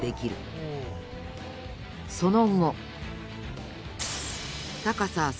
その後。